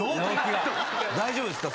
大丈夫ですか？